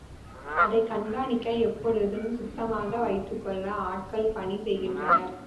அதைக் கண்காணிக்க எப்பொழுதும் சுத்தமாக வைத்துக்கொள்ள ஆட்கள் பணி செய்கின்றனர்.